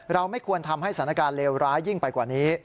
ไม่ควรทำให้สถานการณ์เลวร้ายยิ่งไปกว่านี้